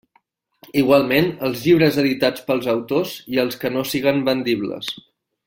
Igualment, els llibres editats pels autors i els que no siguen vendibles.